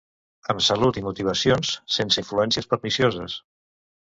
Amb salut i motivacions, sense influències pernicioses.